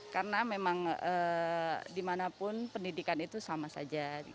karena memang dimanapun pendidikan itu sama saja